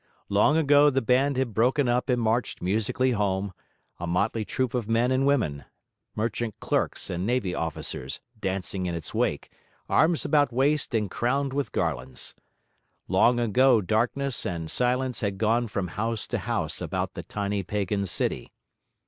Long ago the band had broken up and marched musically home, a motley troop of men and women, merchant clerks and navy officers, dancing in its wake, arms about waist and crowned with garlands. Long ago darkness and silence had gone from house to house about the tiny pagan city.